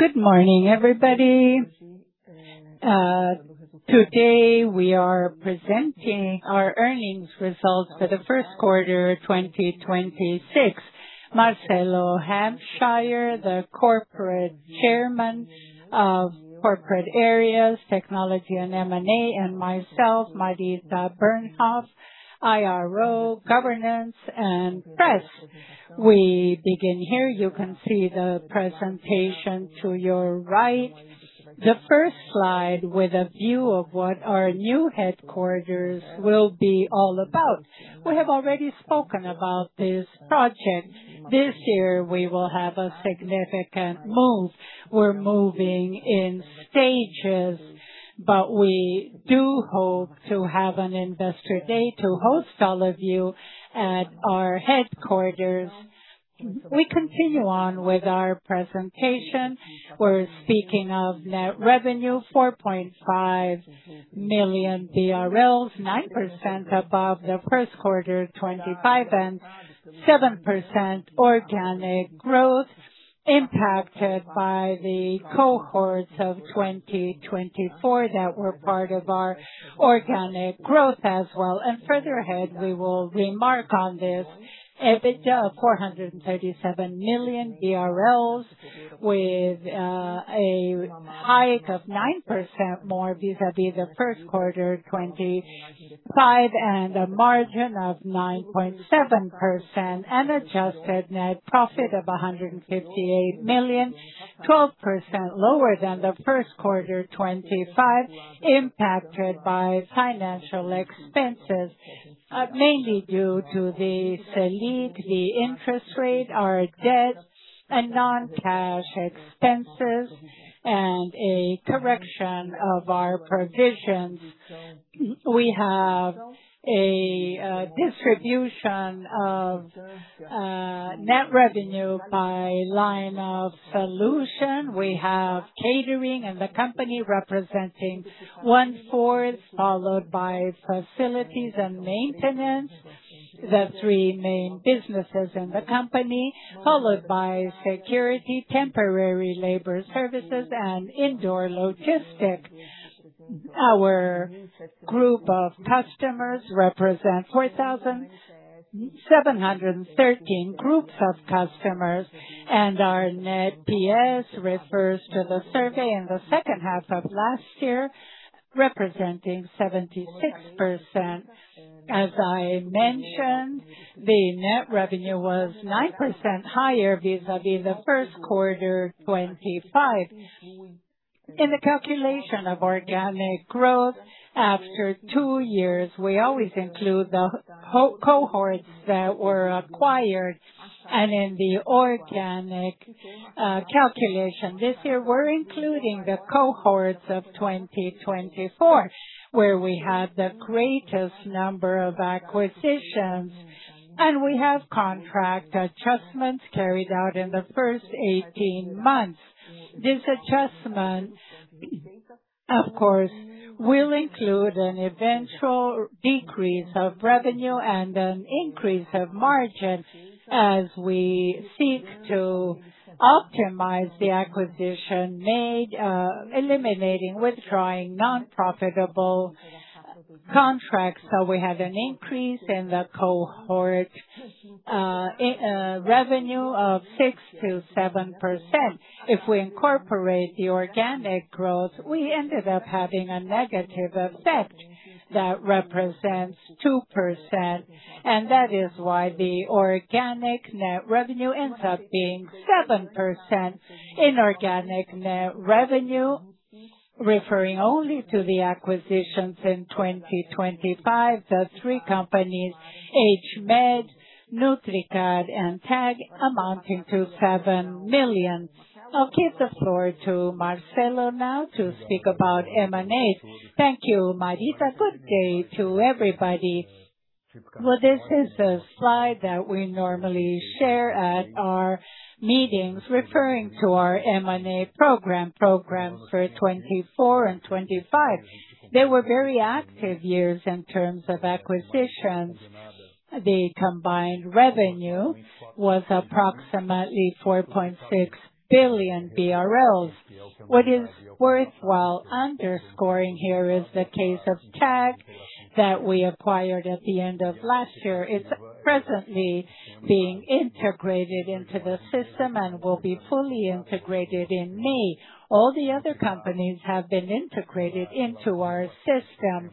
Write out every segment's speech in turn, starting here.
Good morning, everybody. Today, we are presenting our earnings results for the first quarter, 2026. Marcelo, the Corporate Chairman of Corporate Areas, Technology and M&A, and myself, Maria Elsa Alba Bernhoeft, IRO, Governance and Press. We begin here. You can see the presentation to your right. The first slide with a view of what our new headquarters will be all about. We have already spoken about this project. This year we will have a significant move. We're moving in stages, but we do hope to have an investor day to host all of you at our headquarters. We continue on with our presentation. We're speaking of net revenue, 4.5 million BRL, 9% above the first quarter 2025 and 7% organic growth impacted by the cohorts of 2024 that were part of our organic growth as well. Further ahead, we will remark on this. EBITDA of 437 million BRL with a hike of 9% more vis-à-vis the first quarter 2025 and a margin of 9.7%. An adjusted net profit of 158 million, 12% lower than the first quarter 2025, impacted by financial expenses, mainly due to the Selic, the interest rate, our debt and non-cash expenses and a correction of our provisions. We have a distribution of net revenue by line of solution. We have catering and the company representing one-fourth, followed by facilities and maintenance, the 3 main businesses in the company, followed by security, temporary labor services and indoor logistics. Our group of customers represent 4,713 groups of customers, and our NPS refers to the survey in the second half of last year, representing 76%. As I mentioned, the net revenue was 9% higher vis-à-vis the first quarter 2025. In the calculation of organic growth, after two years, we always include the co-cohorts that were acquired. In the organic calculation this year, we're including the cohorts of 2024, where we had the greatest number of acquisitions. We have contract adjustments carried out in the first 18 months. These adjustments, of course, will include an eventual decrease of revenue and an increase of margin as we seek to optimize the acquisition made, eliminating, withdrawing non-profitable contracts. We had an increase in the cohort revenue of 6%-7%. If we incorporate the organic growth, we ended up having a negative effect that represents 2%, and that is why the organic net revenue ends up being 7%. Inorganic net revenue, referring only to the acquisitions in 2025, the 3 companies, RH Med, Nutricash and Tag amounting to 7 million. I'll give the floor to Marcelo now to speak about M&A. Thank you, Maria Elsa Alba Bernhoeft. Good day to everybody. Well, this is a slide that we normally share at our meetings referring to our M&A program for 2024 and 2025. They were very active years in terms of acquisitions. The combined revenue was approximately 4.6 billion BRL. What is worthwhile underscoring here is the case of Tag that we acquired at the end of last year. It's presently being integrated into the system and will be fully integrated in May. All the other companies have been integrated into our system.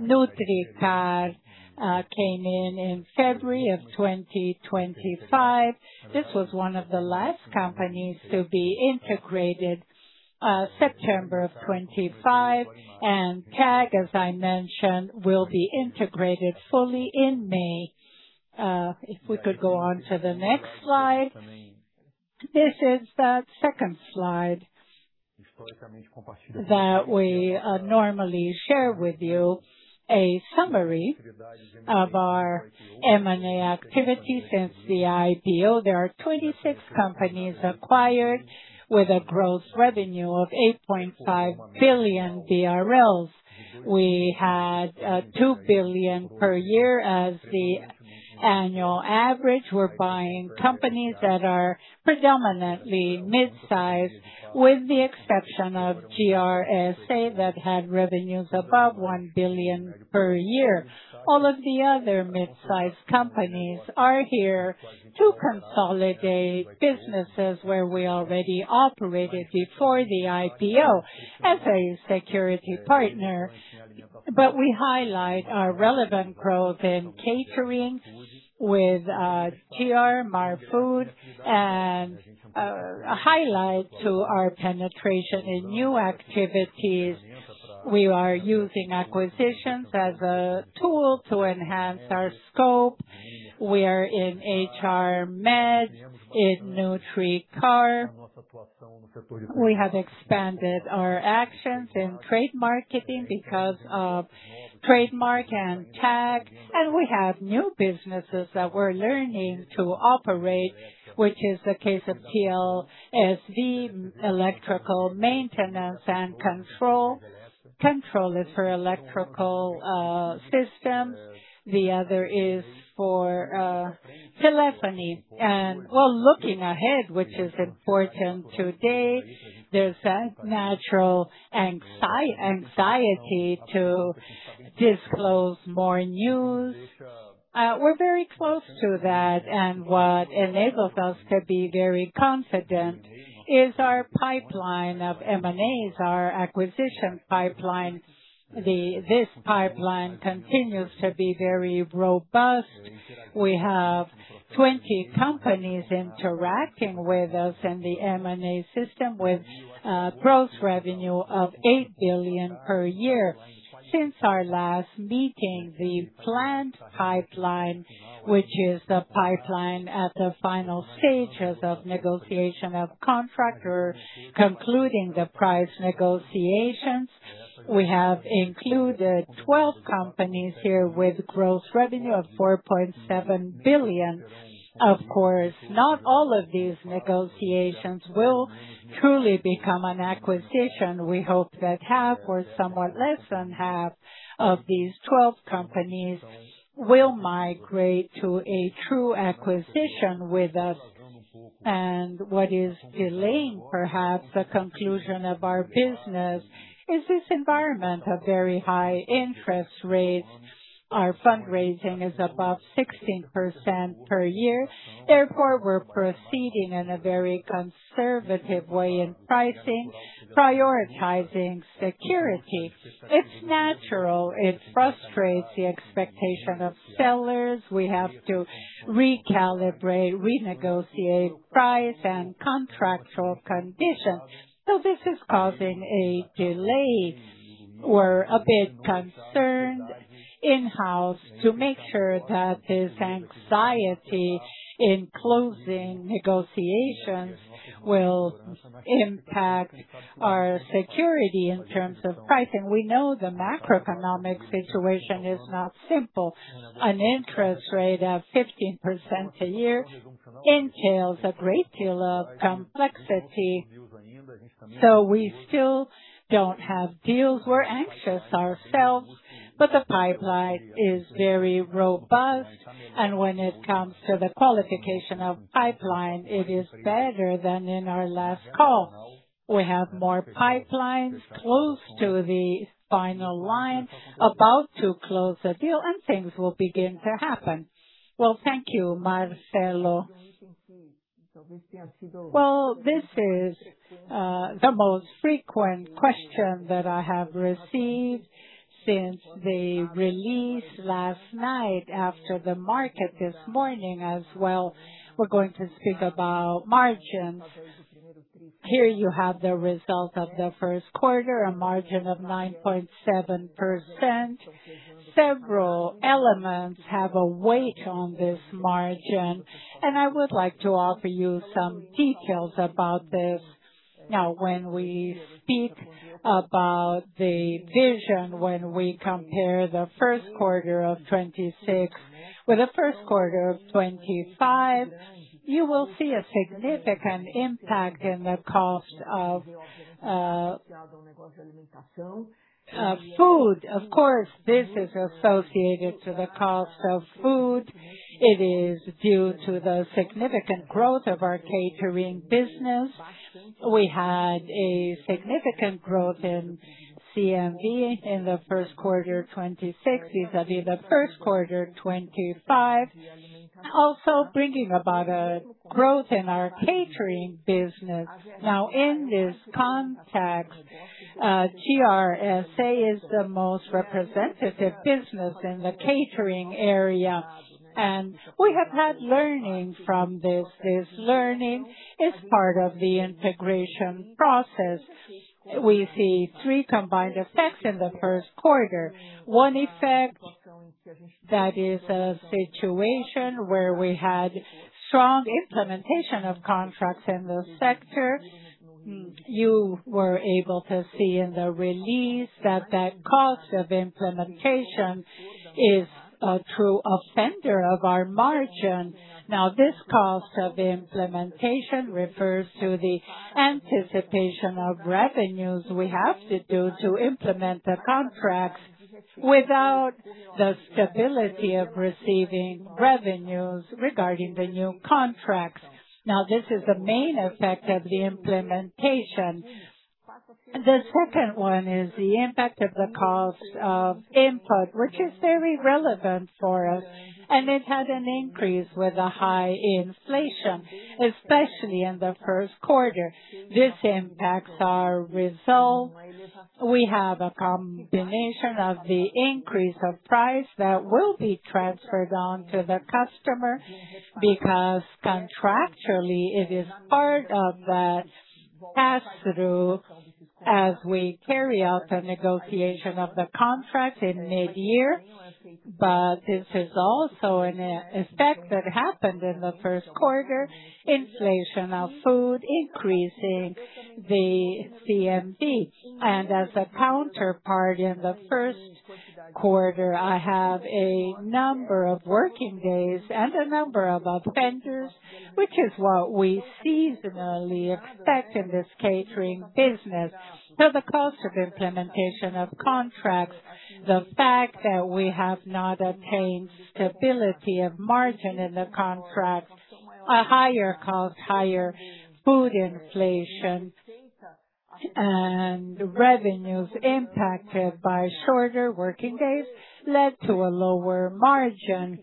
Nutricash came in in February of 2025. This was one of the last companies to be integrated, September of 2025. Tag, as I mentioned, will be integrated fully in May. If we could go on to the next slide. This is that second slide that we normally share with you. A summary of our M&A activity since the IPO. There are 26 companies acquired with a gross revenue of 8.5 billion. We had 2 billion per year as the annual average, we're buying companies that are predominantly mid-size, with the exception of GRSA that had revenues above 1 billion per year. All of the other mid-size companies are here to consolidate businesses where we already operated before the IPO as a security partner. We highlight our relevant growth in catering with Marfood and highlight to our penetration in new activities. We are using acquisitions as a tool to enhance our scope. We are in RH Med, in Nutricar. We have expanded our actions in trade marketing because of trademark and tech. We have new businesses that we're learning to operate, which is the case of TLSD electrical maintenance and control. Control is for electrical system. The other is for telephony. Well, looking ahead, which is important today, there's a natural anxiety to disclose more news. We're very close to that, and what enables us to be very confident is our pipeline of M&As, our acquisition pipeline. This pipeline continues to be very robust. We have 20 companies interacting with us in the M&A system, with gross revenue of 8 billion per year. Since our last meeting, the planned pipeline, which is the pipeline at the final stages of negotiation of contract. We're concluding the price negotiations. We have included 12 companies here with gross revenue of 4.7 billion. Of course, not all of these negotiations will truly become an acquisition. We hope that half or somewhat less than half of these 12 companies will migrate to a true acquisition with us. What is delaying, perhaps, the conclusion of our business is this environment of very high interest rates. Our fundraising is above 16% per year. We're proceeding in a very conservative way in pricing, prioritizing security. It's natural. It frustrates the expectation of sellers. We have to recalibrate, renegotiate price and contractual conditions. This is causing a delay. We're a bit concerned in-house to make sure that this anxiety in closing negotiations will impact our security in terms of pricing. We know the macroeconomic situation is not simple. An interest rate of 15% a year entails a great deal of complexity. We still don't have deals. We're anxious ourselves, but the pipeline is very robust. When it comes to the qualification of pipeline, it is better than in our last call. We have more pipelines close to the final line about to close the deal, and things will begin to happen. Thank you, Marcelo. This is the most frequent question that I have received since the release last night after the market this morning as well. We're going to speak about margins. Here you have the result of the first quarter, a margin of 9.7%. Several elements have a weight on this margin, and I would like to offer you some details about this. When we speak about the vision, when we compare the first quarter of 2026 with the first quarter of 2025, you will see a significant impact in the cost of food. This is associated to the cost of food. It is due to the significant growth of our catering business. We had a significant growth in CMV in the first quarter 25, also bringing about a growth in our catering business. In this context, GRSA is the most representative business in the catering area, and we have had learning from this. This learning is part of the integration process. We see 3 combined effects in the first quarter. One effect that is a situation where we had strong implementation of contracts in the sector. You were able to see in the release that cost of implementation is a true offender of our margin. This cost of implementation refers to the anticipation of revenues we have to do to implement the contracts without the stability of receiving revenues regarding the new contracts. This is the main effect of the implementation. The second one is the impact of the cost of input, which is very relevant for us, and it had an increase with the high inflation, especially in the first quarter. This impacts our result. We have a combination of the increase of price that will be transferred on to the customer, because contractually it is part of the pass-through as we carry out the negotiation of the contract in mid-year. This is also an effect that happened in the first quarter. Inflation of food increasing the CMV. As a counterpart in the first quarter, I have a number of working days and a number of offenders, which is what we seasonally expect in this catering business. The cost of implementation of contracts, the fact that we have not attained stability of margin in the contract, a higher cost, higher food inflation, and revenues impacted by shorter working days led to a lower margin.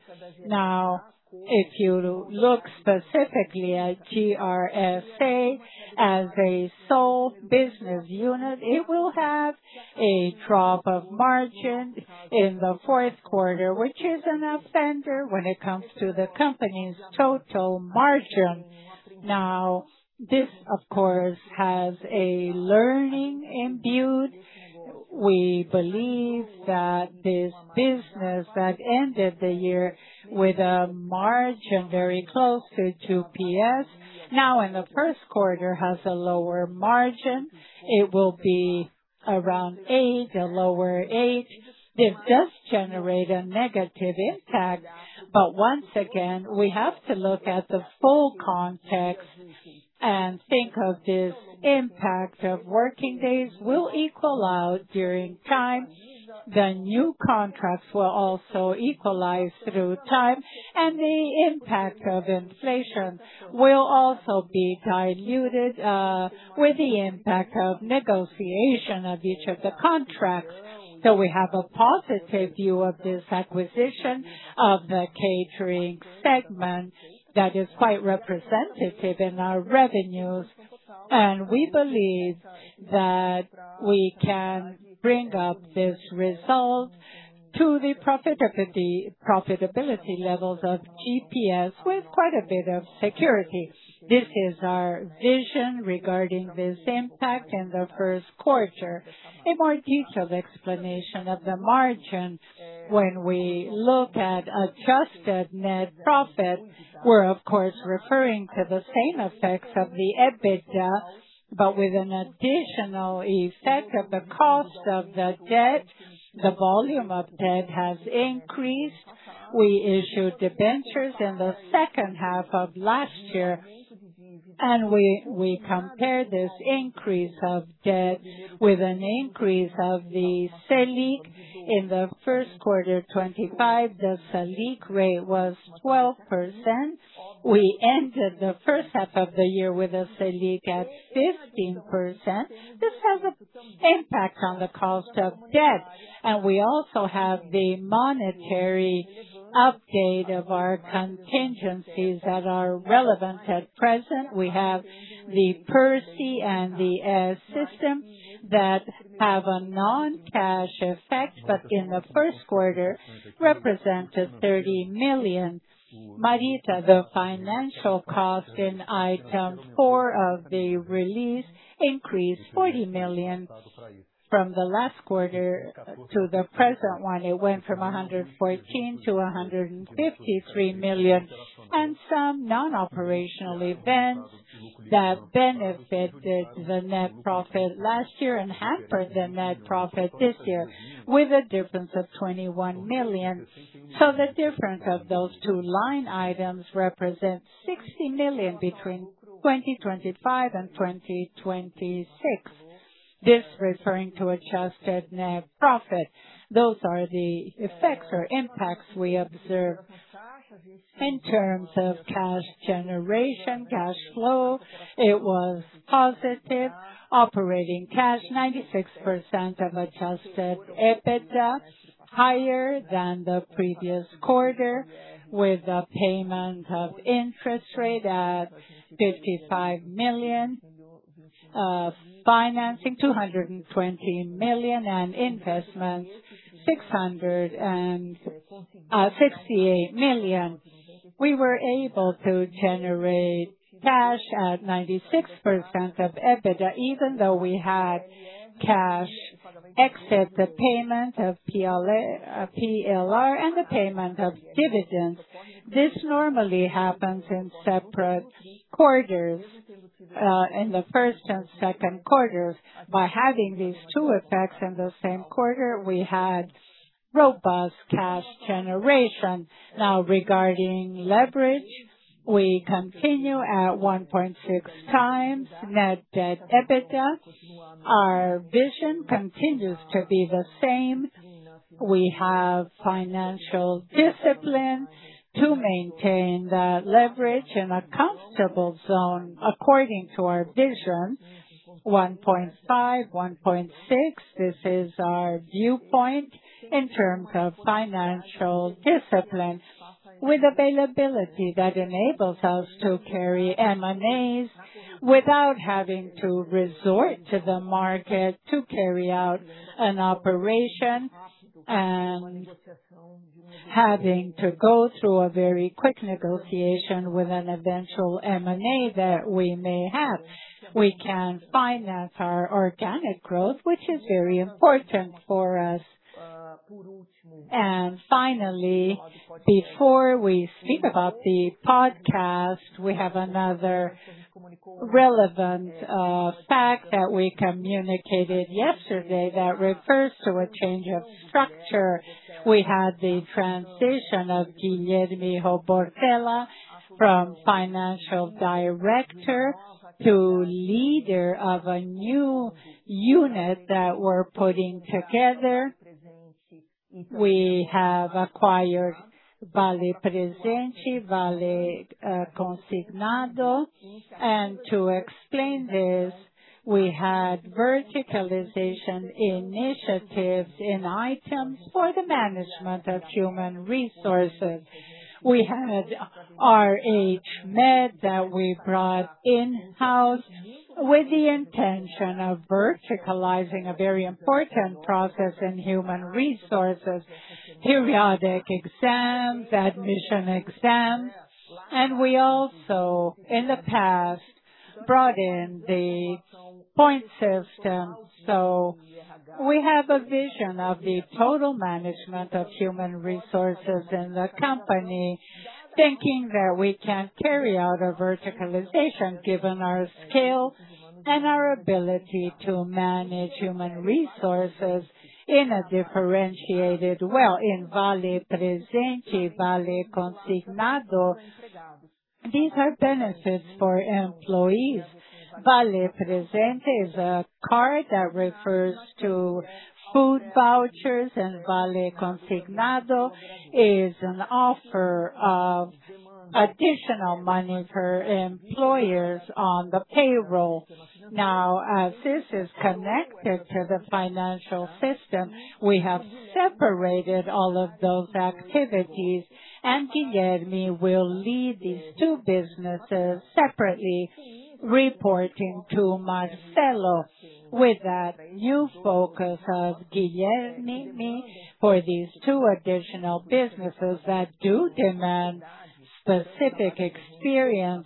If you look specifically at GRSA as a sole business unit, it will have a drop of margin in the fourth quarter, which is an offender when it comes to the company's total margin. This, of course, has a learning imbued. We believe that this business that ended the year with a margin very close to 2%, now in the first quarter has a lower margin. It will be around 8%, a lower 8%. This does generate a negative impact, but once again, we have to look at the full context and think of this impact of working days will equal out during time. The new contracts will also equalize through time, and the impact of inflation will also be diluted with the impact of negotiation of each of the contracts. We have a positive view of this acquisition of the catering segment that is quite representative in our revenues, and we believe that we can bring up this result to the profitability levels of GPS with quite a bit of security. This is our vision regarding this impact in the first quarter. A more detailed explanation of the margin. When we look at adjusted net profit, we're of course referring to the same effects of the EBITDA, but with an additional effect of the cost of the debt. The volume of debt has increased. We issued debentures in the second half of last year. We compare this increase of debt with an increase of the Selic. In the 1st quarter 2025, the Selic rate was 12%. We ended the first half of the year with a Selic at 15%. This has a impact on the cost of debt. We also have the monetary update of our contingencies that are relevant at present. We have the Perse and the Sistema S that have a non-cash effect, but in the first quarter represented 30 million. Marita, the financial cost in item 4 of the release increased 40 million from the last quarter to the present one. It went from 114 million to 153 million. Some non-operational events that benefited the net profit last year and hampered the net profit this year with a difference of 21 million. The difference of those two line items represents 60 million between 2025 and 2026. This referring to adjusted net profit. Those are the effects or impacts we observed. In terms of cash generation, cash flow, it was positive. Operating cash, 96% of Adjusted EBITDA, higher than the previous quarter, with the payment of interest rate at 55 million, financing 220 million, and investments 668 million. We were able to generate cash at 96% of EBITDA, even though we had cash exit the payment of PLR and the payment of dividends. This normally happens in separate quarters, in the first and second quarters. By having these two effects in the same quarter, we had robust cash generation. Regarding leverage, we continue at 1.6 times net debt EBITDA. Our vision continues to be the same. We have financial discipline to maintain the leverage in a comfortable zone according to our vision. 1.5, 1.6, this is our viewpoint in terms of financial discipline with availability that enables us to carry M&As without having to resort to the market to carry out an operation and having to go through a very quick negotiation with an eventual M&A that we may have. We can finance our organic growth, which is very important for us. Finally, before we speak about the podcast, we have another relevant fact that we communicated yesterday that refers to a change of structure. We had the transition of Guilherme Robortella from financial director to leader of a new unit that we're putting together. We have acquired Vale Presente S.A., Vale Consignado Ltda. To explain this, we had verticalization initiatives in items for the management of human resources. We had RH Med that we brought in-house with the intention of verticalizing a very important process in human resources, periodic exams, admission exams. We also, in the past, brought in the point system. We have a vision of the total management of human resources in the company, thinking that we can carry out a verticalization given our scale and our ability to manage human resources in a differentiated well. In Vale Presente, Vale Consignado, these are benefits for employees. Vale Presente is a card that refers to food vouchers, and Vale Consignado is an offer of additional money for employers on the payroll. As this is connected to the financial system, we have separated all of those activities, Guilherme will lead these two businesses separately, reporting to Marcelo. With that new focus of Guilherme for these two additional businesses that do demand specific experience.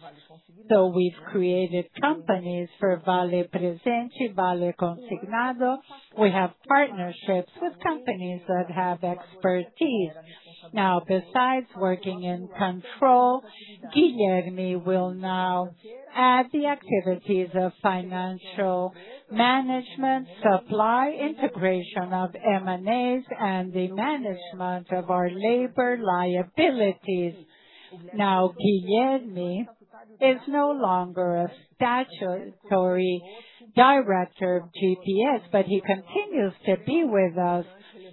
We've created companies for Vale Presente, Vale Consignado. We have partnerships with companies that have expertise. Besides working in control, Guilherme will now add the activities of financial management, supply integration of M&A, and the management of our labor liabilities. Guilherme is no longer a statutory director of GPS, but he continues to be with us.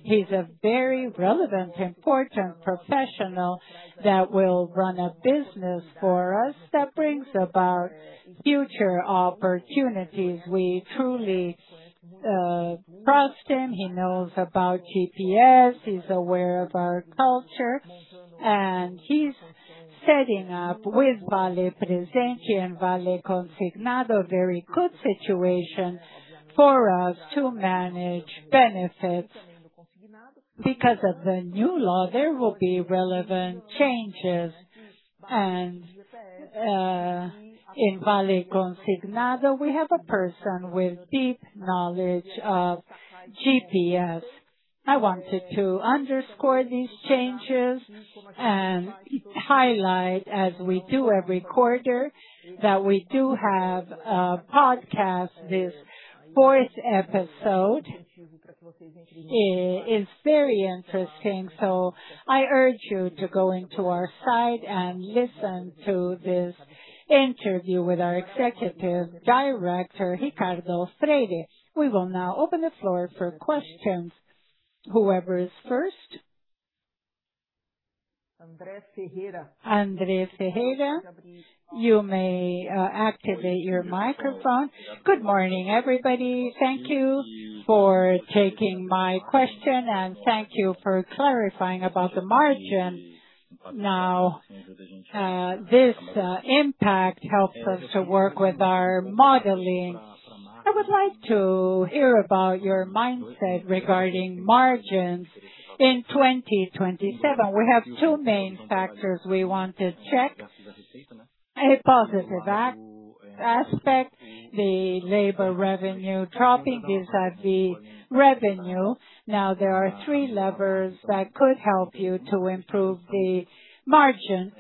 He's a very relevant, important professional that will run a business for us that brings about future opportunities. We truly trust him. He knows about GPS. He's aware of our culture, and he's setting up with Vale Presente and Vale Consignado a very good situation for us to manage benefits. Because of the new law, there will be relevant changes. In Vale Consignado, we have a person with deep knowledge of GPS. I wanted to underscore these changes and highlight, as we do every quarter, that we do have a podcast. This fourth episode is very interesting, so I urge you to go into our site and listen to this interview with our executive director, Ricardo Freire. We will now open the floor for questions. Whoever is first. Andre Ferreira. Andre Ferreira, you may activate your microphone. Good morning, everybody. Thank you for taking my question, and thank you for clarifying about the margin. Now, this impact helps us to work with our modeling. I would like to hear about your mindset regarding margins in 2027. We have 2 main factors we want to check. A positive aspect, the labor revenue dropping vis-à-vis revenue. There are 3 levers that could help you to improve the margin.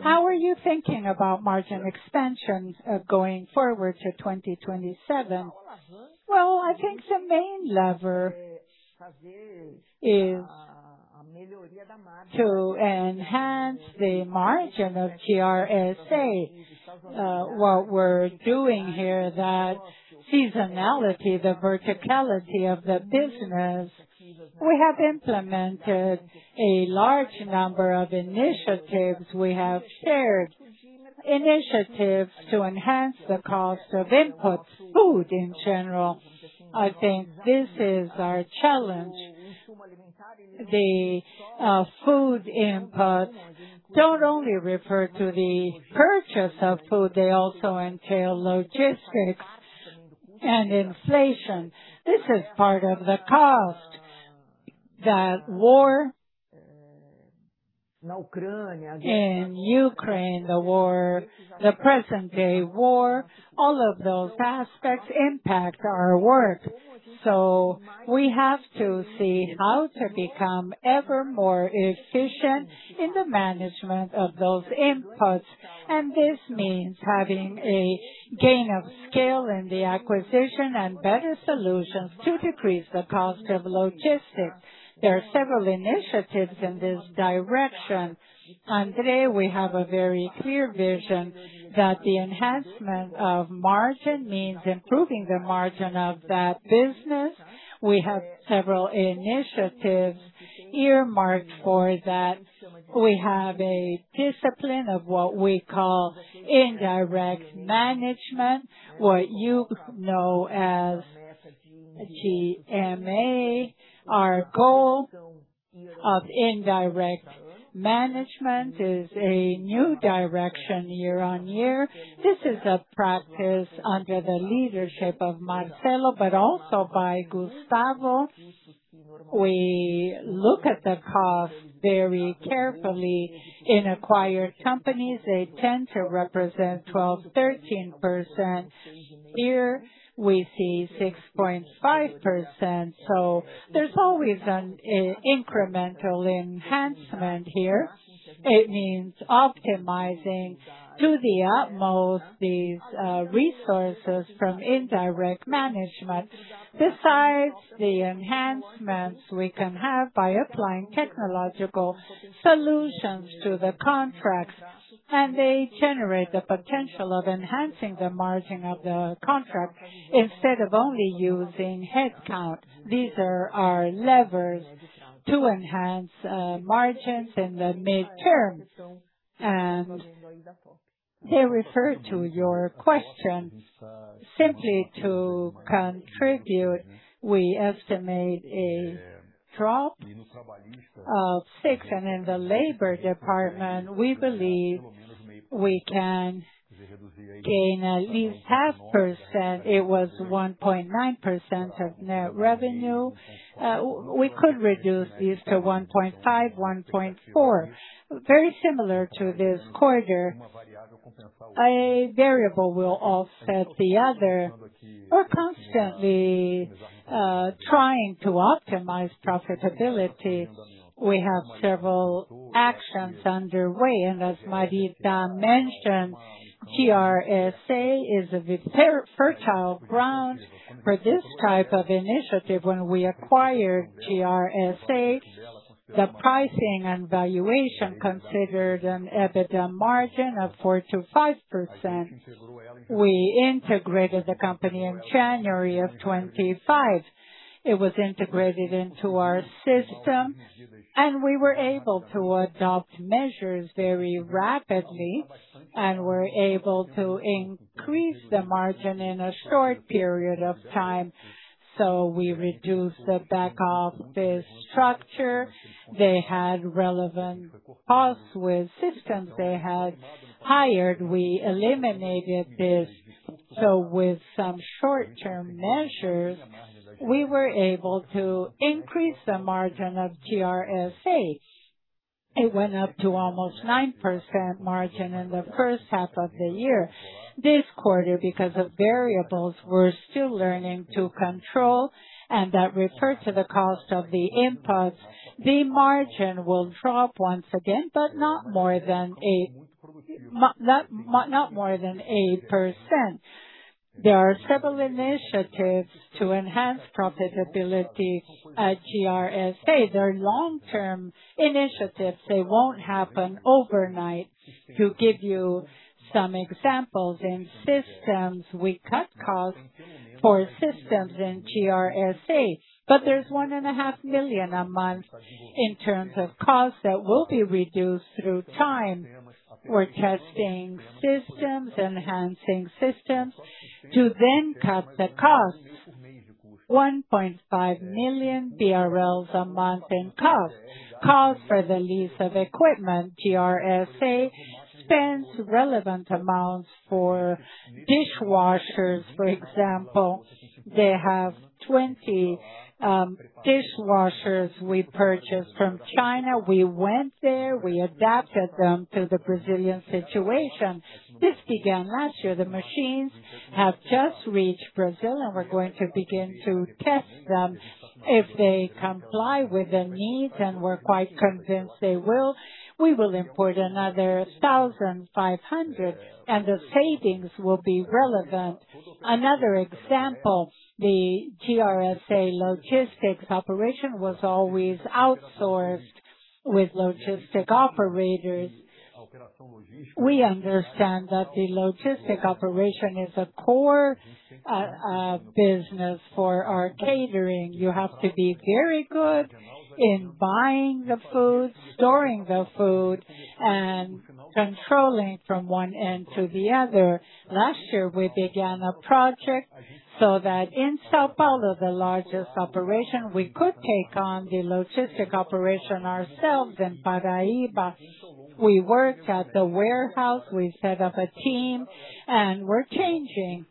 How are you thinking about margin expansions going forward to 2027? Well, I think the main lever is to enhance the margin of GRSA, what we're doing here, that seasonality, the verticality of the business, we have implemented a large number of initiatives. We have shared initiatives to enhance the cost of inputs. Food in general, I think this is our challenge. The food inputs don't only refer to the purchase of food, they also entail logistics and inflation. This is part of the cost. That war in Ukraine, the present day war, all of those aspects impact our work. We have to see how to become ever more efficient in the management of those inputs. This means having a gain of scale in the acquisition and better solutions to decrease the cost of logistics. There are several initiatives in this direction. Today we have a very clear vision that the enhancement of margin means improving the margin of that business. We have several initiatives earmarked for that. We have a discipline of what we call indirect management, what you know as G&A. Our goal of indirect management is a new direction year-on-year. This is a practice under the leadership of Marcelo, but also by Gustavo. We look at the cost very carefully. In acquired companies, they tend to represent 12%, 13%. Here we see 6.5%. There's always an incremental enhancement here. It means optimizing to the utmost these resources from indirect management. Besides the enhancements we can have by applying technological solutions to the contracts, and they generate the potential of enhancing the margin of the contract instead of only using headcount. These are our levers to enhance margins in the midterm. To refer to your question, simply to contribute, we estimate a drop of 6. In the labor department, we believe we can gain at least 0.5%. It was 1.9% of net revenue. We could reduce this to 1.5%, 1.4%. Very similar to this quarter. A variable will offset the other. We're constantly trying to optimize profitability. We have several actions underway, and as Marita mentioned, GRSA is a fertile ground for this type of initiative. When we acquired GRSA, the pricing and valuation considered an EBITDA margin of 4%-5%. We integrated the company in January of 2025. It was integrated into our system, we were able to adopt measures very rapidly, and we're able to increase the margin in a short period of time. We reduced the back office structure. They had relevant costs with systems they had hired. We eliminated this. With some short-term measures, we were able to increase the margin of GRSA. It went up to almost 9% margin in the first half of the year. This quarter, because of variables we're still learning to control, and that referred to the cost of the inputs, the margin will drop once again, not more than 8%. There are several initiatives to enhance profitability at GRSA. They're long-term initiatives. They won't happen overnight. To give you some examples. In systems, we cut costs for systems in GRSA, but there's 1.5 million a month in terms of costs that will be reduced through time. We're testing systems, enhancing systems to then cut the cost. 1.5 million a month in cost. Cost for the lease of equipment. GRSA spends relevant amounts for dishwashers. For example, they have 20 dishwashers we purchased from China. We went there. We adapted them to the Brazilian situation. This began last year. The machines have just reached Brazil, and we're going to begin to test them. If they comply with the needs, and we're quite convinced they will, we will import another 1,500, and the savings will be relevant. Another example, the GRSA logistics operation was always outsourced with logistic operators. We understand that the logistic operation is a core business for our catering. You have to be very good in buying the food, storing the food, and controlling from one end to the other. Last year, we began a project so that in São Paulo, the largest operation, we could take on the logistic operation ourselves in Paraíba. We worked at the warehouse, we set up a team, and we're changing.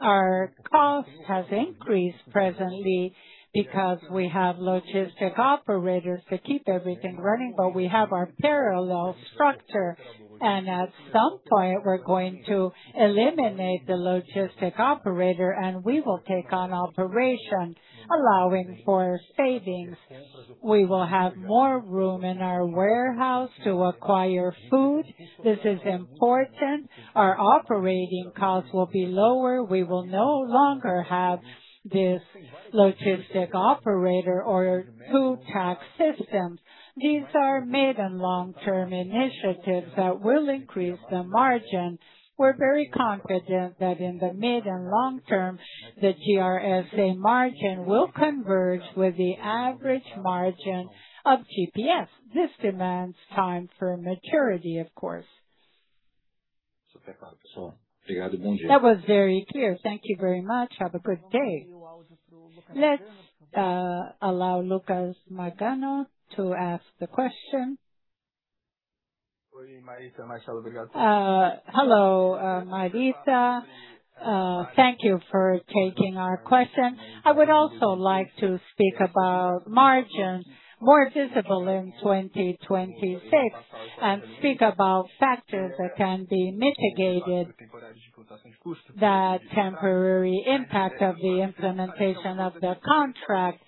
Our cost has increased presently because we have logistic operators to keep everything running, but we have our parallel structure. At some point, we're going to eliminate the logistic operator, and we will take on operation, allowing for savings. We will have more room in our warehouse to acquire food. This is important. Our operating costs will be lower. We will no longer have this logistic operator or 2 tax systems. These are mid and long-term initiatives that will increase the margin. We're very confident that in the mid and long term, the GRSA margin will converge with the average margin of GPS. This demands time for maturity, of course. That was very clear. Thank you very much. Have a good day. Let's allow Lucas Magano to ask the question. Hello, Marisa. Thank you for taking our question. I would also like to speak about margins more visible in 2026, and speak about factors that can be mitigated, the temporary impact of the implementation of the contract.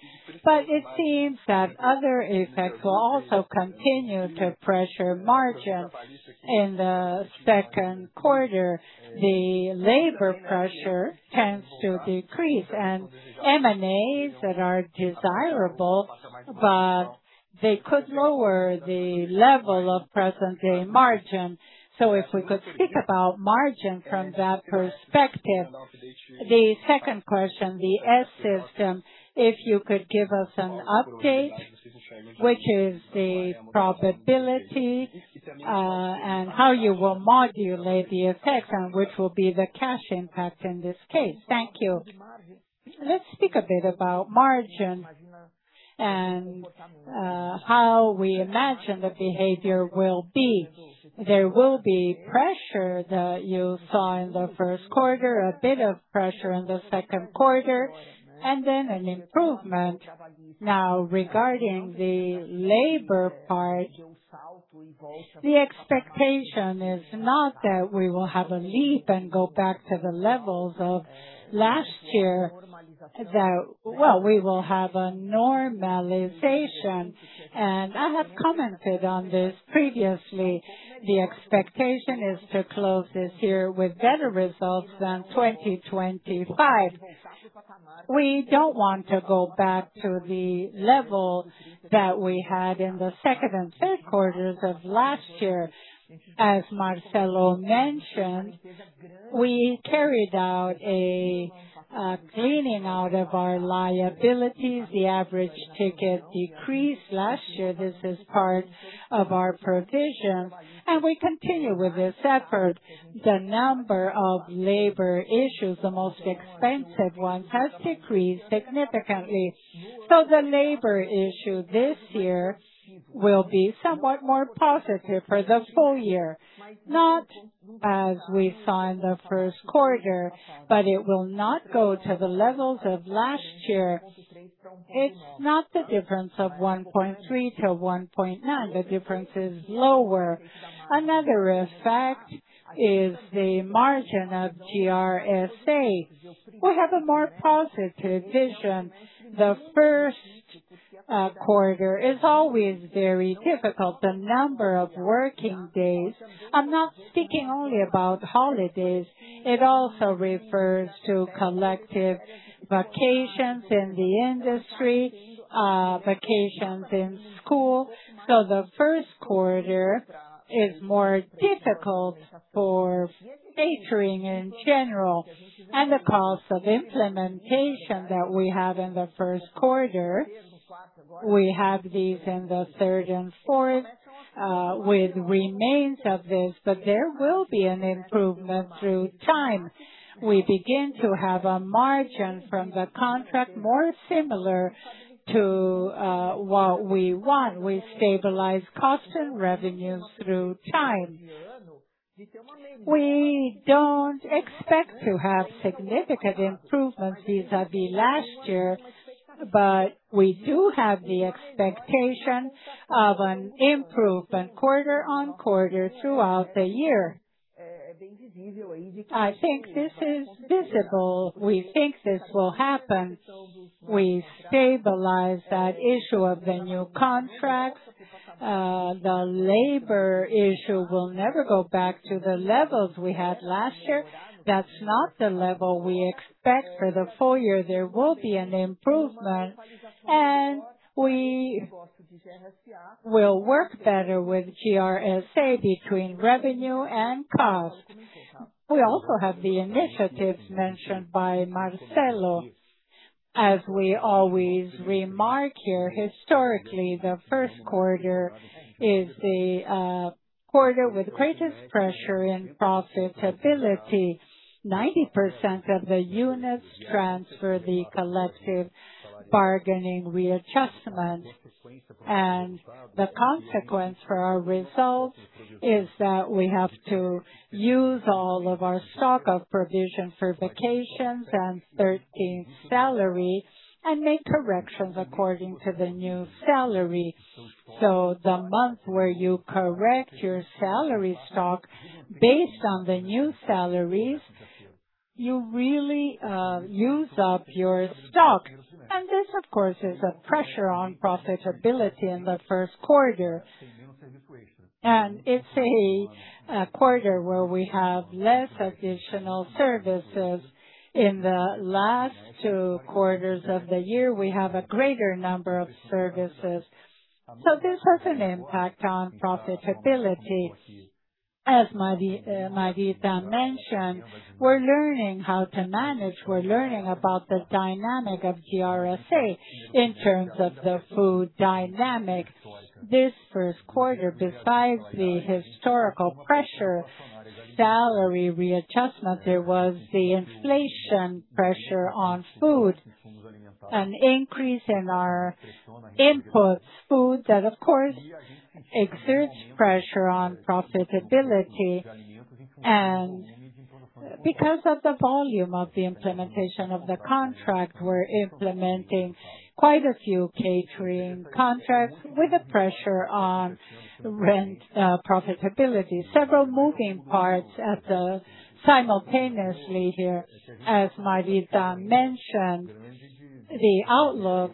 But it seems that other effects will also continue to pressure margins in the second quarter. The labor pressure tends to decrease, and M&As that are desirable, but they could lower the level of present day margin. If we could speak about margin from that perspective. The second question, the Sistema S, if you could give us an update, which is the probability, and how you will modulate the effect and which will be the cash impact in this case. Thank you. Speak a bit about margin and how we imagine the behavior will be. There will be pressure that you saw in the first quarter, a bit of pressure in the second quarter, and then an improvement. Now, regarding the labor part, the expectation is not that we will have a leap and go back to the levels of last year. Well, we will have a normalization, and I have commented on this previously. The expectation is to close this year with better results than 2025. We don't want to go back to the level that we had in the second and third quarters of last year. As Marcelo mentioned, we carried out a cleaning out of our liabilities. The average ticket decreased last year. This is part of our provision, and we continue with this effort. The number of labor issues, the most expensive ones, has decreased significantly. The labor issue this year will be somewhat more positive for the full year, not as we saw in the first quarter, but it will not go to the levels of last year. It's not the difference of 1.3-1.9. The difference is lower. Another effect is the margin of GRSA. We have a more positive vision. The first quarter is always very difficult. The number of working days. I'm not speaking only about holidays. It also refers to collective vacations in the industry, vacations in school. The 1st quarter is more difficult for catering in general, and the cost of implementation that we have in the 1st quarter. We have these in the 3rd and 4th, with remains of this, but there will be an improvement through time. We begin to have a margin from the contract more similar to what we want. We stabilize cost and revenues through time. We don't expect to have significant improvements vis-à-vis last year, but we do have the expectation of an improvement quarter-on-quarter throughout the year. I think this is visible. We think this will happen. We stabilize that issue of the new contract. The labor issue will never go back to the levels we had last year. That's not the level we expect for the full year. There will be an improvement, we will work better with GRSA between revenue and cost. We also have the initiatives mentioned by Marcelo. As we always remark here, historically, the first quarter is the quarter with greatest pressure in profitability. 90% of the units transfer the collective bargaining readjustment. The consequence for our results is that we have to use all of our stock of provision for vacations and 13th salary and make corrections according to the new salary. The month where you correct your salary stock based on the new salaries, you really use up your stock. This, of course, is a pressure on profitability in the first quarter. It's a quarter where we have less additional services. In the last 2 quarters of the year, we have a greater number of services. This has an impact on profitability. As Marita mentioned, we're learning how to manage. We're learning about the dynamic of GRSA in terms of the food dynamics. This first quarter, besides the historical pressure, salary readjustment, there was the inflation pressure on food, an increase in our inputs food that of course exerts pressure on profitability. Because of the volume of the implementation of the contract, we're implementing quite a few catering contracts with a pressure on rent, profitability. Several moving parts simultaneously here. As Marita mentioned, the outlook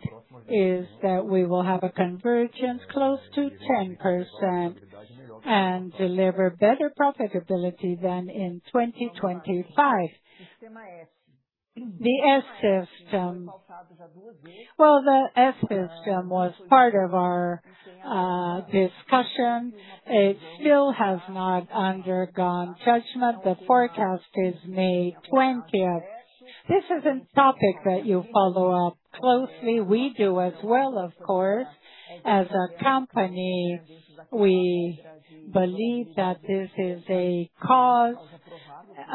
is that we will have a convergence close to 10% and deliver better profitability than in 2025. The Sistema S. The Sistema S was part of our discussion. It still has not undergone judgment. The forecast is May 20. This is a topic that you follow up closely. We do as well, of course. As a company, we believe that this is a cause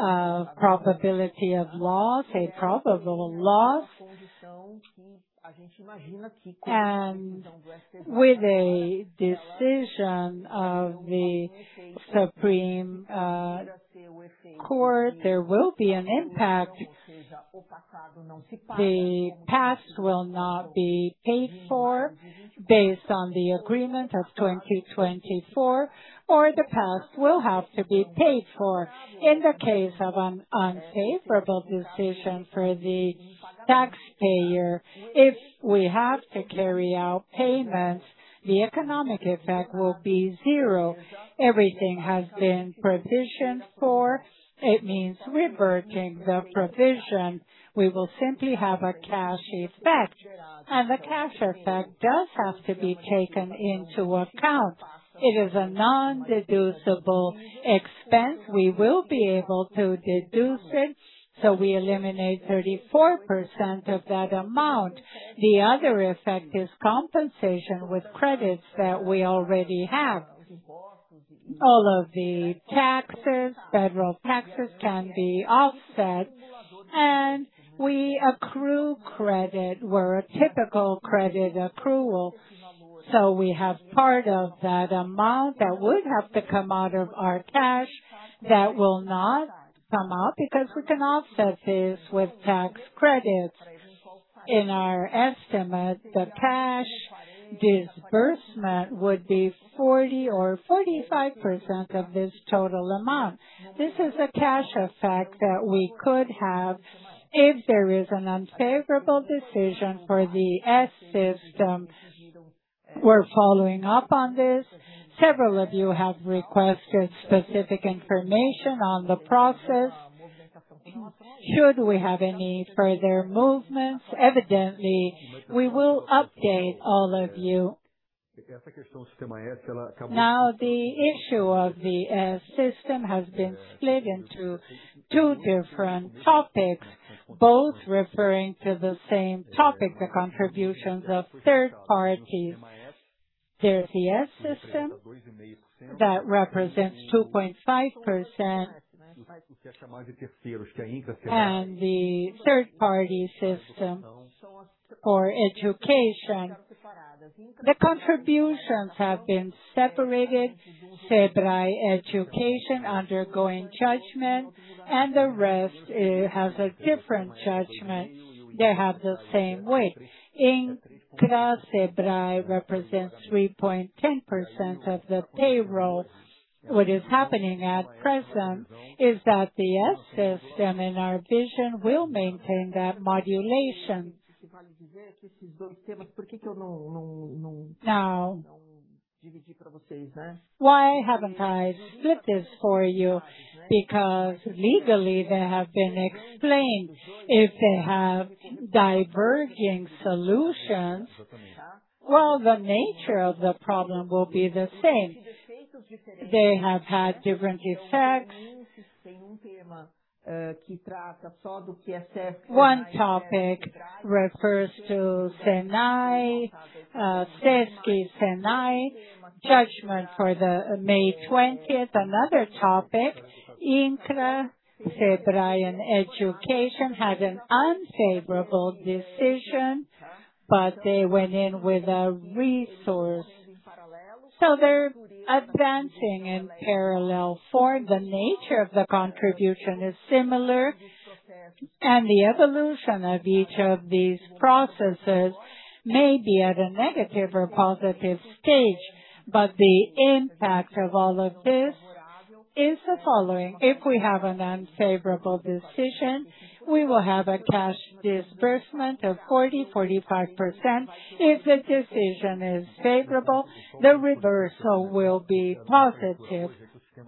of probability of loss, a probable loss. With a decision of the Supreme Federal Court, there will be an impact. The past will not be paid for based on the agreement of 2024, or the past will have to be paid for. In the case of an unfavorable decision for the taxpayer, if we have to carry out payments, the economic effect will be zero. Everything has been provisioned for. It means reverting the provision. We will simply have a cash effect, and the cash effect does have to be taken into account. It is a non-deducible expense. We will be able to deduce it, so we eliminate 34% of that amount. The other effect is compensation with credits that we already have. All of the taxes, federal taxes can be offset, and we accrue credit. We're a typical credit accrual, we have part of that amount that would have to come out of our cash. That will not come out because we can offset this with tax credits. In our estimate, the cash disbursement would be 40% or 45% of this total amount. This is a cash effect that we could have if there is an unfavorable decision for the Sistema S. We're following up on this. Several of you have requested specific information on the process. Should we have any further movements, evidently, we will update all of you. The issue of the Sistema S has been split into two different topics, both referring to the same topic: the contributions of third parties. There's the Sistema S that represents 2.5%, and the third party system for education. The contributions have been separated. Sebrae Education undergoing judgment, and the rest has a different judgment. They have the same weight. In Sebrae represents 3.10% of the payroll. What is happening at present is that the Sistema S, in our vision, will maintain that modulation. Now, why haven't I split this for you? Because legally they have been explained. If they have diverging solutions, the nature of the problem will be the same. They have had different effects. One topic refers to SENAI, SESC SENAI, judgment for the May 20th. Another topic, Incra, Sebrae and Education had an unfavorable decision, but they went in with a resource. They're advancing in parallel form. The nature of the contribution is similar, and the evolution of each of these processes may be at a negative or positive stage. The impact of all of this is the following: If we have an unfavorable decision, we will have a cash disbursement of 40%-45%. If the decision is favorable, the reversal will be positive. The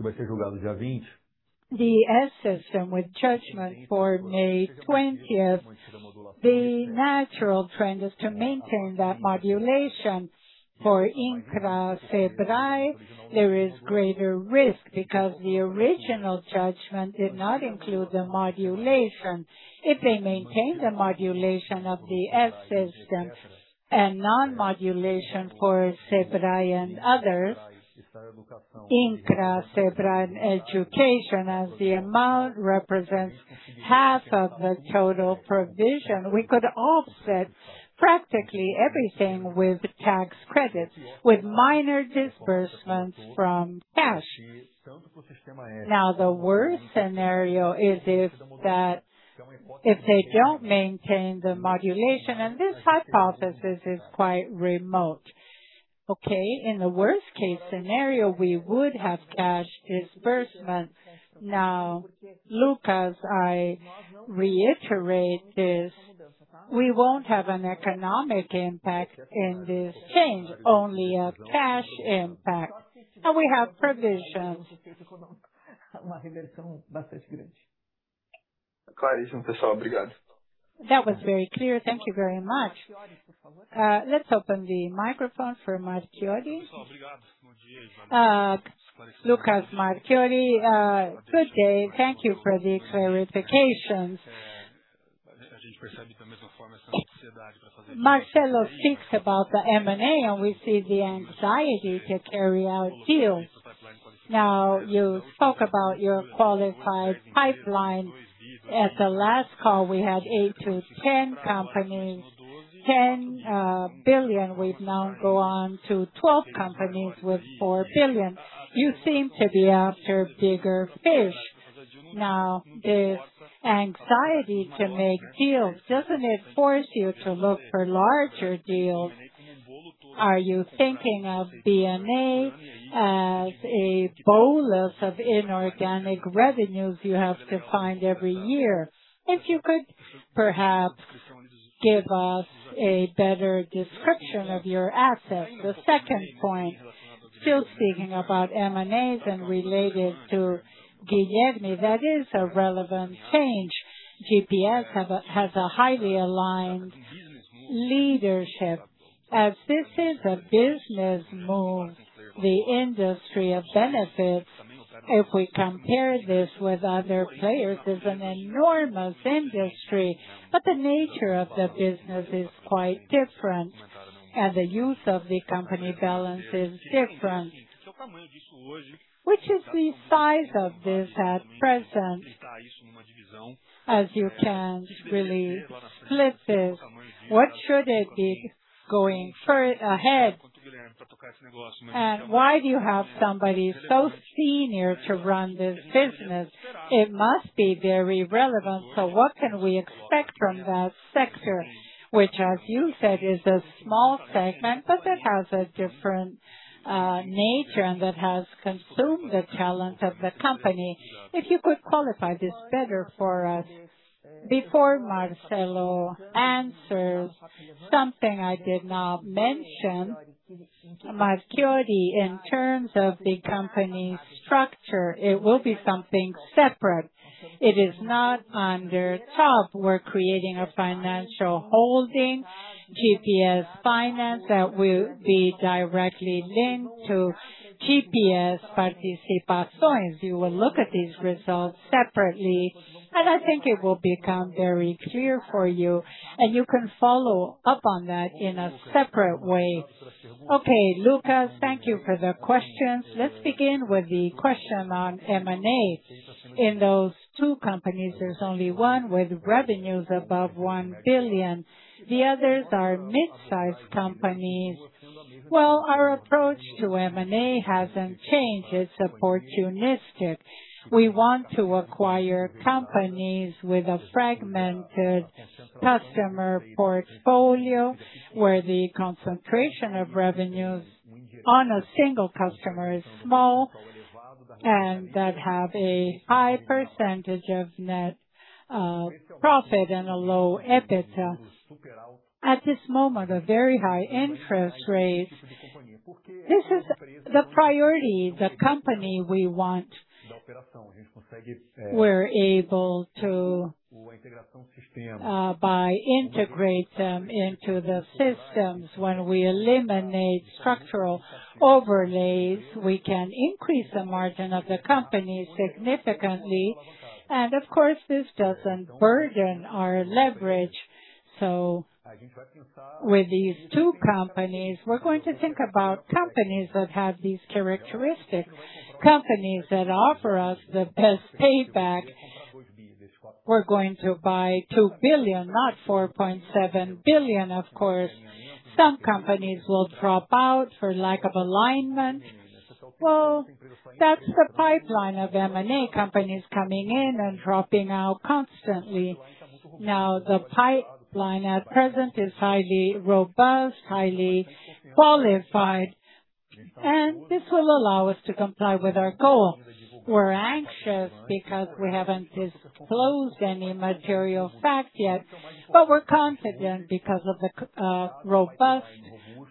Sistema S with judgment for May 20th, the natural trend is to maintain that modulation. For Incra, Sebrae, there is greater risk because the original judgment did not include the modulation. If they maintain the modulation of the Sistema S and non-modulation for Sebrae and others, Incra, Sebrae and Education, as the amount represents half of the total provision, we could offset practically everything with tax credits, with minor disbursements from cash. The worst scenario is if they don't maintain the modulation, and this hypothesis is quite remote. In the worst case scenario, we would have cash disbursement. Lucas, I reiterate this. We won't have an economic impact in this change, only a cash impact. We have provisions. That was very clear. Thank you very much. Let's open the microphone for Lucas Marchiori. Lucas Marchiori, good day. Thank you for the clarifications. Marcelo speaks about the M&A, and we see the anxiety to carry out deals. You talk about your qualified pipeline. At the last call, we had 8 to 10 companies, 10 billion. We've now gone to 12 companies with 4 billion. You seem to be after bigger fish. This anxiety to make deals, doesn't it force you to look for larger deals? Are you thinking of BNA as a bolus of inorganic revenues you have to find every year? If you could perhaps give us a better description of your assets. The second point, still speaking about M&As and related to Guilherme, that is a relevant change. GPS has a highly aligned leadership. This is a business move, the industry of benefits, if we compare this with other players, is an enormous industry. The nature of the business is quite different, and the use of the company balance is different. Which is the size of this at present, as you can really split this? What should it be going ahead? Why do you have somebody so senior to run this business? It must be very relevant. What can we expect from that sector, which, as you said, is a small segment, but it has a different nature and that has consumed the talent of the company. If you could qualify this better for us. Before Marcelo answers something I did not mention, Marchiori, in terms of the company's structure, it will be something separate. It is not under SUB. We're creating a financial holding, GPS Finance, that will be directly linked to GPS Participações. You will look at these results separately, and I think it will become very clear for you, and you can follow up on that in a separate way. Okay, Lucas, thank you for the questions. Let's begin with the question on M&A. In those two companies, there's only one with revenues above 1 billion. The others are mid-sized companies. Our approach to M&A hasn't changed. It's opportunistic. We want to acquire companies with a fragmented customer portfolio, where the concentration of revenues on a single customer is small and that have a high percentage of net profit and a low EBITDA. At this moment, a very high interest rate. This is the priority. The company we want. By integrate them into the systems. When we eliminate structural overlays, we can increase the margin of the company significantly. Of course, this doesn't burden our leverage. With these two companies, we're going to think about companies that have these characteristics, companies that offer us the best payback. We're going to buy 2 billion, not 4.7 billion. Of course, some companies will drop out for lack of alignment. Well, that's the pipeline of M&A companies coming in and dropping out constantly. Now, the pipeline at present is highly robust, highly qualified, and this will allow us to comply with our goal. We're anxious because we haven't disclosed any material fact yet, but we're confident because of the robust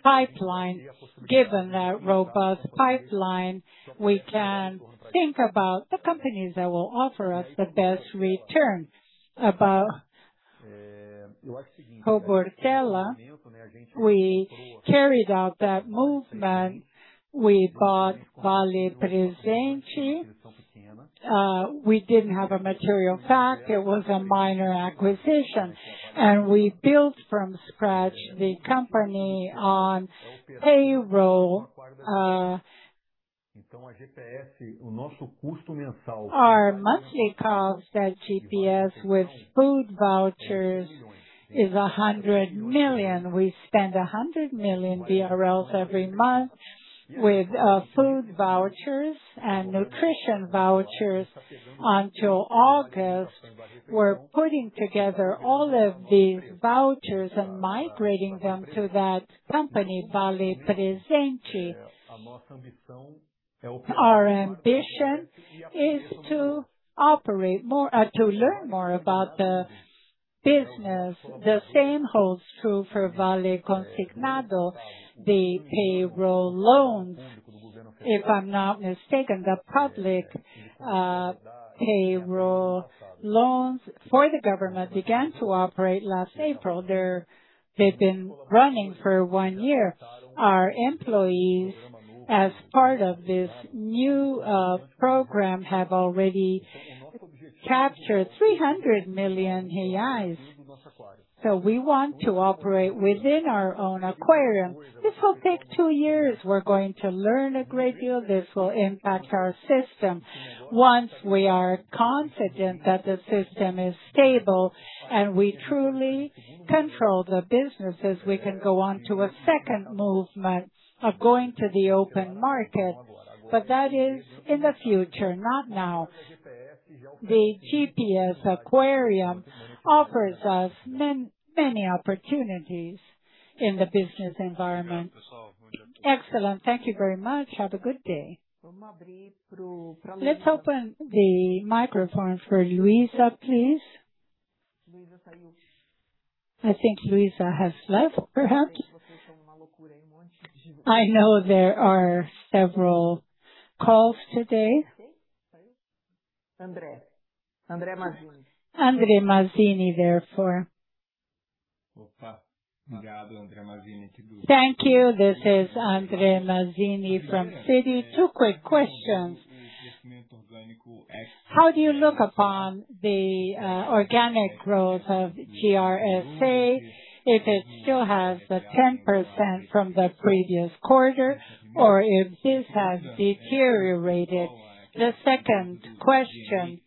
pipeline. Given that robust pipeline, we can think about the companies that will offer us the best return. About Robortella, we carried out that movement. We bought Vale Presente. We didn't have a material fact. It was a minor acquisition, and we built from scratch the company on payroll. Our monthly cost at GPS with food vouchers is 100 million. We spend 100 million BRL every month with food vouchers and nutrition vouchers. Until August, we're putting together all of these vouchers and migrating them to that company, Vale Presente. Our ambition is to operate to learn more about the business. The same holds true for Vale Consignado, the payroll loans. If I'm not mistaken, the public payroll loans for the government began to operate last April. They've been running for 1 year. Our employees, as part of this new program, have already captured 300 million reais. We want to operate within our own aquarium. This will take 2 years. We're going to learn a great deal. This will impact our system. Once we are confident that the system is stable and we truly control the businesses, we can go on to a second movement of going to the open market. That is in the future, not now. The GPS aquarium offers us many opportunities in the business environment. Excellent. Thank you very much. Have a good day. Let's open the microphone for Luisa, please. I think Luisa has left, perhaps. I know there are several calls today. Andre Mazini. Andre Mazini, therefore. Thank you. This is Andre Mazini from Citi. 2 quick questions. How do you look upon the organic growth of GRSA, if it still has the 10% from the previous quarter or if this has deteriorated? The second question,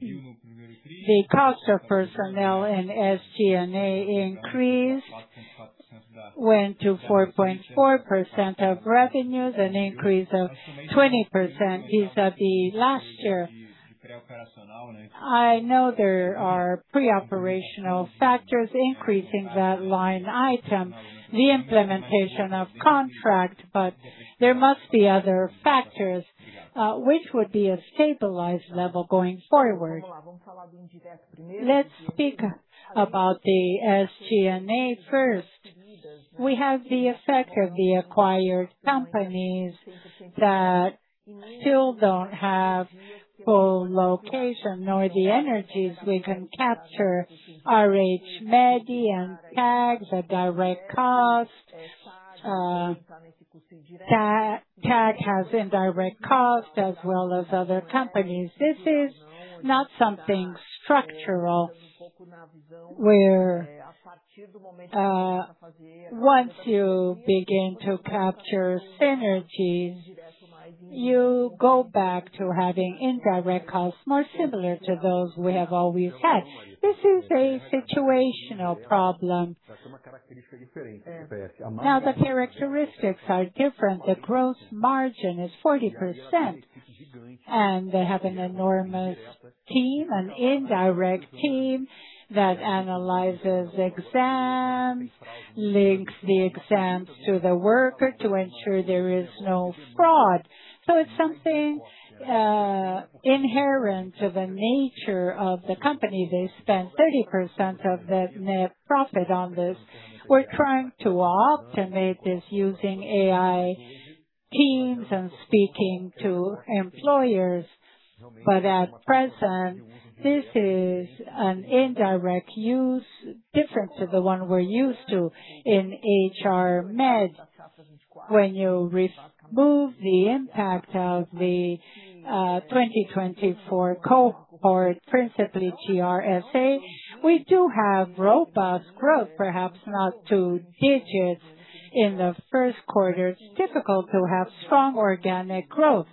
the cost of personnel and SG&A increase went to 4.4% of revenues, an increase of 20% vis-a-vis last year. I know there are pre-operational factors increasing that line item, the implementation of contract, but there must be other factors which would be a stabilized level going forward. Let's speak about the SG&A first. We have the effect of the acquired companies that still don't have full location nor the energies we can capture RH Med and Grupo Tagg, the direct cost. Grupo Tagg has indirect cost as well as other companies. This is not something structural, where, once you begin to capture synergies, you go back to having indirect costs more similar to those we have always had. This is a situational problem. The characteristics are different. The gross margin is 40%, and they have an enormous team, an indirect team that analyzes exams, links the exams to the worker to ensure there is no fraud. It's something inherent to the nature of the company. They spend 30% of that net profit on this. We're trying to automate this using AI teams and speaking to employers. At present, this is an indirect use different to the one we're used to in RH Med. When you remove the impact of the 2024 cohort principally GRSA, we do have robust growth, perhaps not 2 digits in the first quarter. It's difficult to have strong organic growth.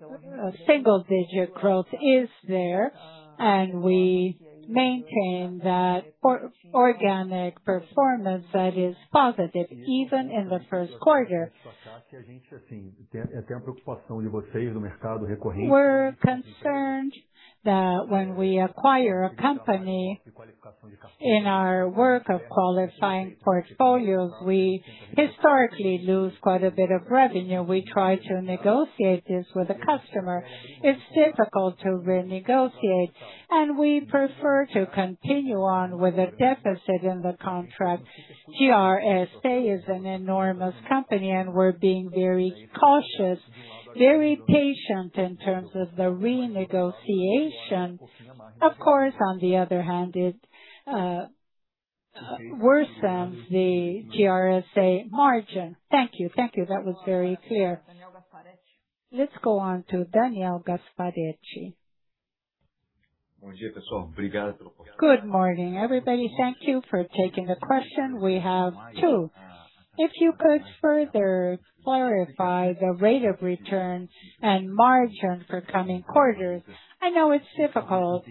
A single-digit growth is there, and we maintain that organic performance that is positive even in the first quarter. We're concerned that when we acquire a company in our work of qualifying portfolios, we historically lose quite a bit of revenue. We try to negotiate this with the customer. It's difficult to renegotiate, and we prefer to continue on with a deficit in the contract. GRSA is an enormous company, and we're being very cautious, very patient in terms of the renegotiation. Of course, on the other hand, it worsens the GRSA margin. Thank you. Thank you. That was very clear. Let's go on to Daniel Gasparete. Good morning, everybody. Thank you for taking the question. We have two. If you could further clarify the rate of return and margin for coming quarters. I know it's difficult.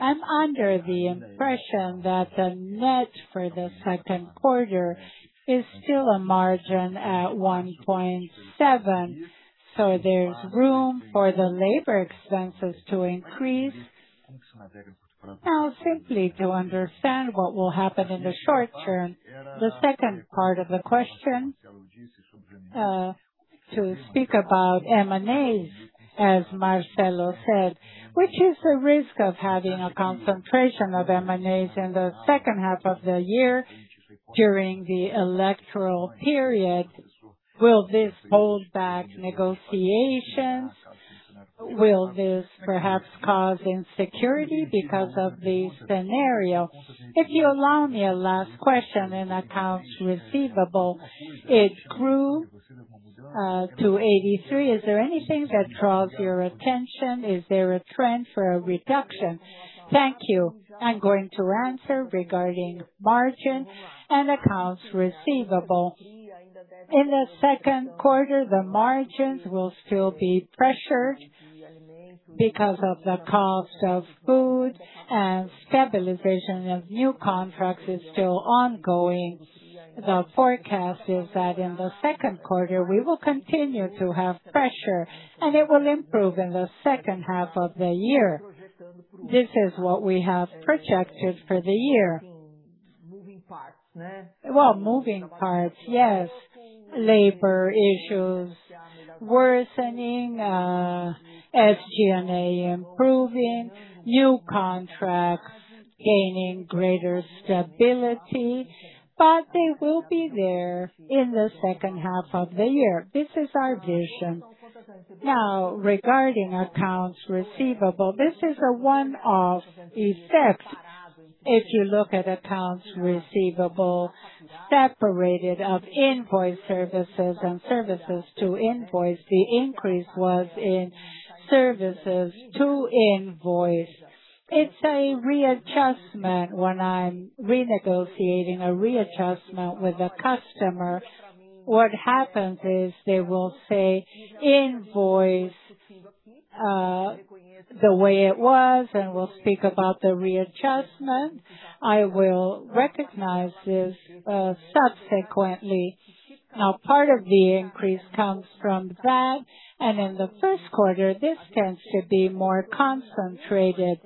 I'm under the impression that the net for the 2Q is still a margin at 1.7, so there's room for the labor expenses to increase. Simply to understand what will happen in the short term. The second part of the question, to speak about M&As, as Marcelo said, which is the risk of having a concentration of M&As in the second half of the year during the electoral period. Will this hold back negotiations? Will this perhaps cause insecurity because of the scenario? If you allow me a last question in accounts receivable, it grew to 83. Is there anything that draws your attention? Is there a trend for a reduction? Thank you. I'm going to answer regarding margin and accounts receivable. In the 2nd quarter, the margins will still be pressured because of the cost of food. Stabilization of new contracts is still ongoing. The forecast is that in the 2nd quarter, we will continue to have pressure. It will improve in the 2nd half of the year. This is what we have projected for the year. Well, moving parts, yes. Labor issues worsening, SG&A improving, new contracts gaining greater stability. They will be there in the 2nd half of the year. This is our vision. Regarding accounts receivable, this is a one-off effect. If you look at accounts receivable separated of invoice services and services to invoice, the increase was in services to invoice. It's a readjustment. When I'm renegotiating a readjustment with a customer, what happens is they will say, "Invoice, the way it was, and we'll speak about the readjustment." I will recognize this subsequently. Part of the increase comes from that, and in the first quarter, this tends to be more concentrated.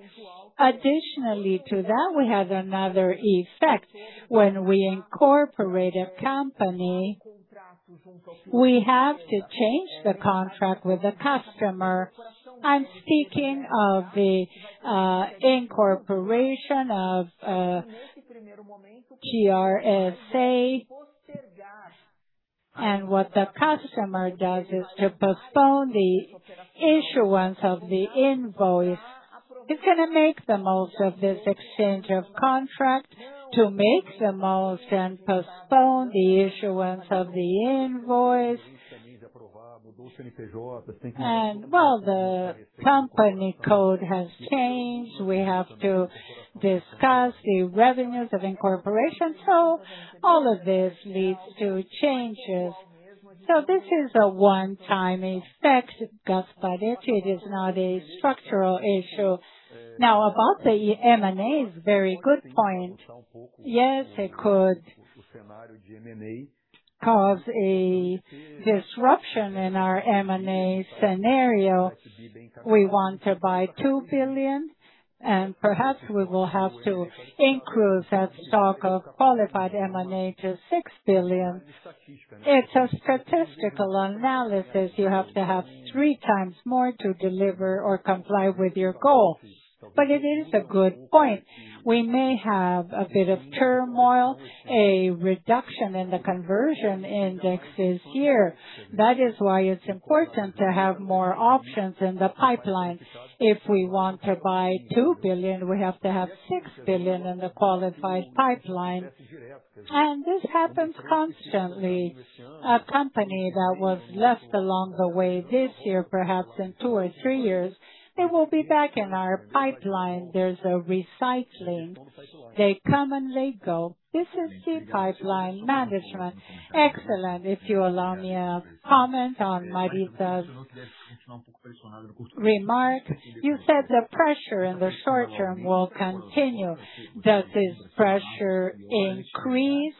Additionally to that, we have another effect. When we incorporate a company, we have to change the contract with the customer. I'm speaking of the incorporation of GRSA. What the customer does is to postpone the issuance of the invoice. It's gonna make the most of this exchange of contract to make the most and postpone the issuance of the invoice. Well, the company code has changed. We have to discuss the revenues of incorporation. All of this leads to changes. This is a one-time effect, Gasparete. It is not a structural issue. About the M&As, very good point. It could cause a disruption in our M&A scenario. We want to buy 2 billion, perhaps we will have to increase that stock of qualified M&A to 6 billion. It's a statistical analysis. You have to have three times more to deliver or comply with your goal. It is a good point. We may have a bit of turmoil, a reduction in the conversion indexes here. That is why it's important to have more options in the pipeline. If we want to buy 2 billion, we have to have 6 billion in the qualified pipeline. This happens constantly. A company that was left along the way this year, perhaps in two or three years, it will be back in our pipeline. There's a recycling. They come and they go. This is the pipeline management. Excellent. If you allow me a comment on Marita's remark. You said the pressure in the short term will continue. Does this pressure increase?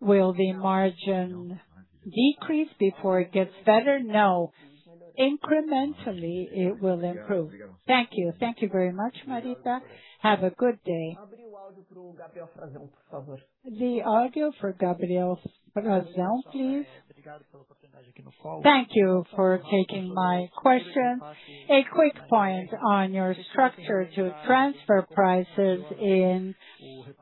Will the margin decrease before it gets better? No. Incrementally, it will improve. Thank you. Thank you very much, Marita. Have a good day. The audio for Gabriel Razon, please. Thank you for taking my question. A quick point on your structure to transfer prices in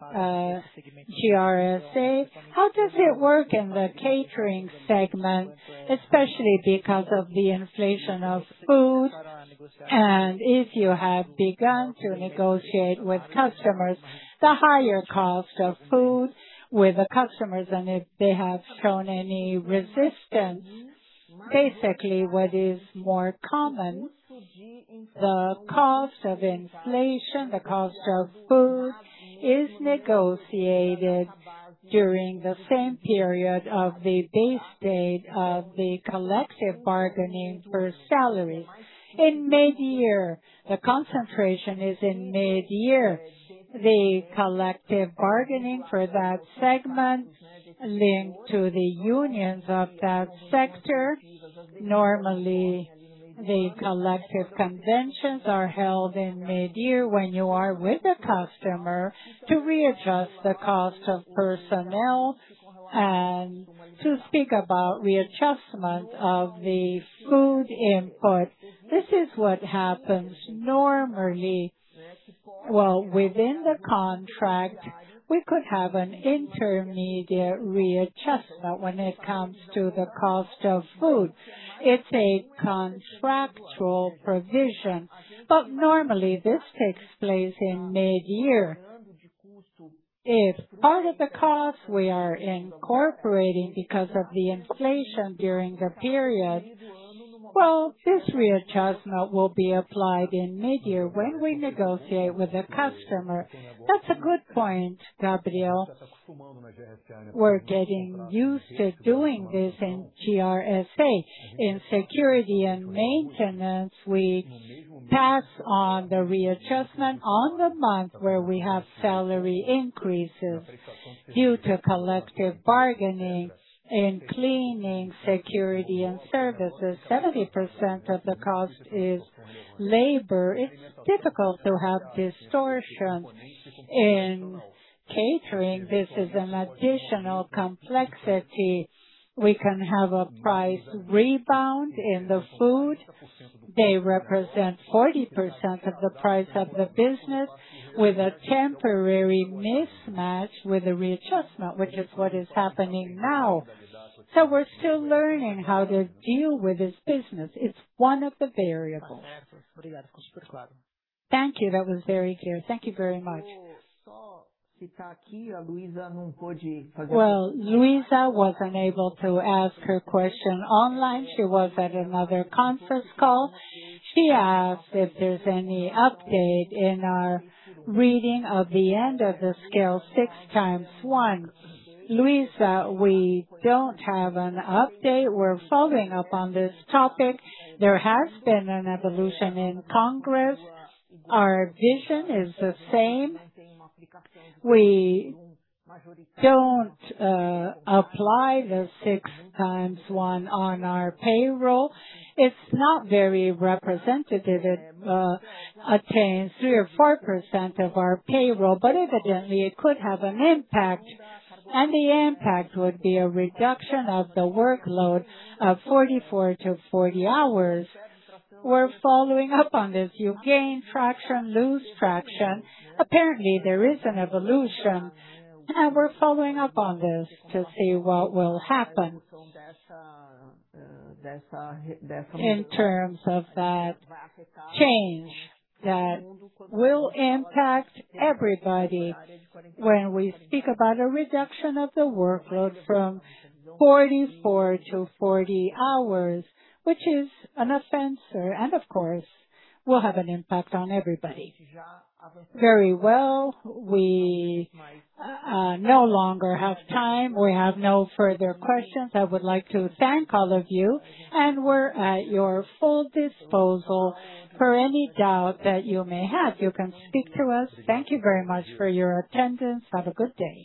GRSA. How does it work in the catering segment, especially because of the inflation of food? If you have begun to negotiate with customers, the higher cost of food with the customers, and if they have shown any resistance. Basically, what is more common, the cost of inflation, the cost of food is negotiated during the same period of the base date of the collective bargaining for salaries. In mid-year, the concentration is in mid-year. The collective bargaining for that segment linked to the unions of that sector. Normally, the collective conventions are held in mid-year when you are with the customer to readjust the cost of personnel and to speak about readjustment of the food input. This is what happens normally. Well, within the contract, we could have an intermediate readjustment when it comes to the cost of food. It's a contractual provision, but normally this takes place in mid-year. If part of the cost we are incorporating because of the inflation during the period, well, this readjustment will be applied in mid-year when we negotiate with the customer. That's a good point, Gabriel. We're getting used to doing this in GRSA. In security and maintenance, we pass on the readjustment on the month where we have salary increases due to collective bargaining in cleaning, security and services. 70% of the cost is labor. It's difficult to have distortion. In catering, this is an additional complexity. We can have a price rebound in the food. They represent 40% of the price of the business with a temporary mismatch with the readjustment, which is what is happening now. We're still learning how to deal with this business. It's one of the variables. Thank you. That was very clear. Thank you very much. Luisa was unable to ask her question online. She was at another conference call. She asked if there's any update in our reading of the end of the escala 6x1. Luisa, we don't have an update. We're following up on this topic. There has been an evolution in Congress. Our vision is the same. We don't apply the 6x1 on our payroll. It's not very representative. It attains 3% or 4% of our payroll, but evidently it could have an impact, and the impact would be a reduction of the workload of 44 to 40 hours. We're following up on this. You gain traction, lose traction. Apparently, there is an evolution, and we're following up on this to see what will happen in terms of that change that will impact everybody when we speak about a reduction of the workload from 44 to 40 hours, which is an offense, and of course, will have an impact on everybody. Very well. We no longer have time. We have no further questions. I would like to thank all of you, and we're at your full disposal for any doubt that you may have. You can speak to us. Thank you very much for your attendance. Have a good day.